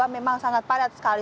memang sangat padat sekali